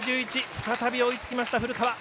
再び追いつきました、古川。